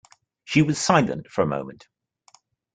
She was silent for a moment.